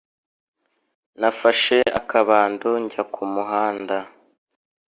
nafashe akabando njya ku muhanda